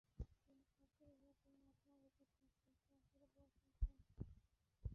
যিনি সব কিছুর দাতা, তিনি আপনার উপর তাঁর শ্রেষ্ঠ আশীর্বাদ বর্ষণ করুন।